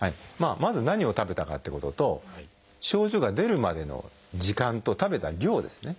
まず何を食べたかっていうことと症状が出るまでの時間と食べた量ですね。